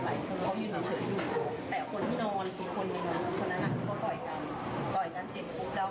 แล้วฝั่งนี้เนี้ยคนที่โดนที่นอนโดนด้วยอาการหนัก